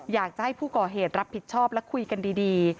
อยากจะให้ผู้ก่อเหตุรับผิดชอบและคุยกันดี